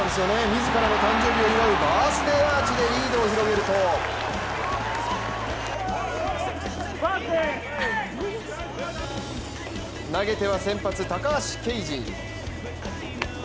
自らの誕生日を祝うバースデーアーチでリードを広げると投げては先発・高橋奎二。